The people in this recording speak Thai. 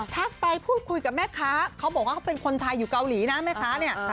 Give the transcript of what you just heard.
ไปพูดคุยกับแม่ค้าเขาบอกว่าเขาเป็นคนไทยอยู่เกาหลีนะแม่ค้าเนี่ย